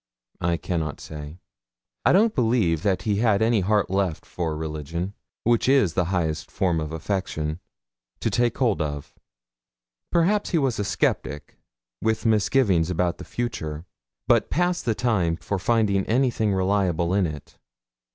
I cannot say. I don't believe that he had any heart left for religion, which is the highest form of affection, to take hold of. Perhaps he was a sceptic with misgivings about the future, but past the time for finding anything reliable in it.